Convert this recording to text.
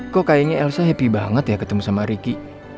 kok kayaknya elsa happy banget ya ketemu sama ricky